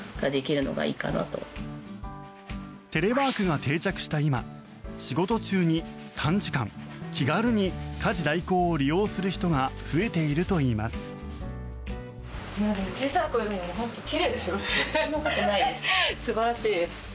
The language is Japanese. テレワークが定着した今仕事中に短時間、気軽に家事代行を利用する人が増えているといいます。